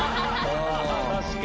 確かに。